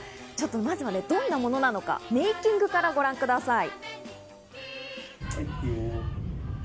まずはどんなものなのかメイキングからご覧ください。